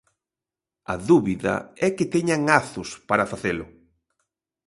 A dúbida é que teñan azos para facelo.